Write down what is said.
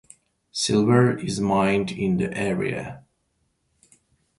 Silver is mined in the area.